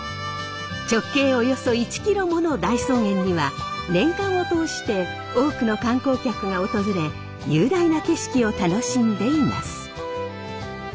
直径およそ１キロもの大草原には年間を通して多くの観光客が訪れ雄大な景色を楽しんでいます。